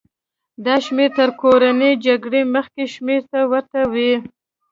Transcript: دا شمېر تر کورنۍ جګړې مخکې شمېرې ته ورته و.